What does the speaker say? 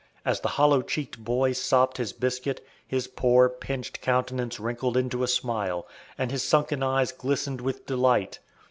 As the hollow cheeked boy "sopped" his biscuit, his poor, pinched countenance wrinkled into a smile, and his sunken eyes glistened with delight.